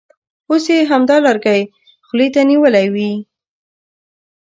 اوس یې همدا لرګی خولې ته نیولی وي.